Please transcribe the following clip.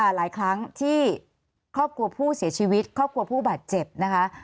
หลายครั้งที่ครอบครัวผู้เสียชีวิตครอบครัวผู้บาดเจ็บนะคะ